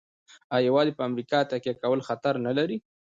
آیا یوازې په امریکا تکیه کول خطر نلري؟